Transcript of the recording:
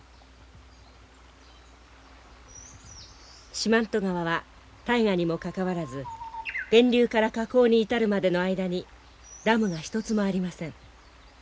四万十川は大河にもかかわらず源流から河口に至るまでの間にダムが一つもありません。